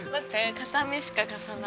片目しか貸さない。